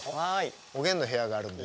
おげんの部屋があるんで。